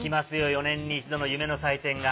４年に１度の夢の祭典が。